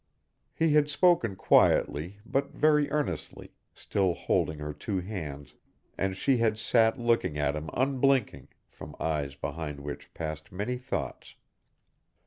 He had spoken quietly, but very earnestly, still holding her two hands, and she had sat looking at him unblinking from eyes behind which passed many thoughts.